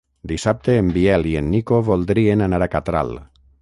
Dissabte en Biel i en Nico voldrien anar a Catral.